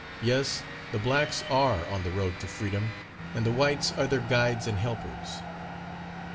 Yes; the blacks are on the road to freedom, and the whites are their guides and helpers.